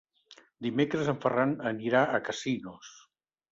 Dimecres en Ferran anirà a Casinos.